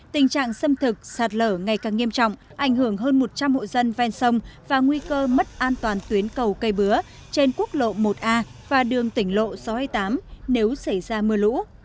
tâm thực sạt lở ngày càng nghiêm trọng ảnh hưởng hơn một trăm linh hộ dân ven sông và nguy cơ mất an toàn tuyến cầu cây bứa trên quốc lộ một a và đường tỉnh lộ sáu trăm hai mươi tám nếu xảy ra mưa lũ